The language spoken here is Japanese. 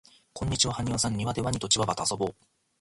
こんにちははにわさんにわでワニとチワワとあそぼう